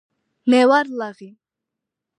მე ვარ ლაღი